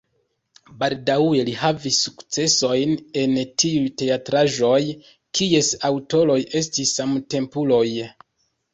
Baldaŭe li havis sukcesojn en tiuj teatraĵoj, kies aŭtoroj estis samtempuloj.